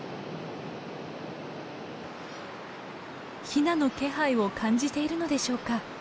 ヒナの気配を感じているのでしょうか。